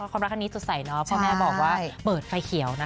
ความรักครั้งนี้สดใสเนาะพ่อแม่บอกว่าเปิดไฟเขียวนะคะ